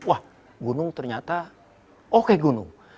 wah gunung ternyata oke gunung